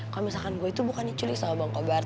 kalo misalkan gue itu bukannya culik sama bang kober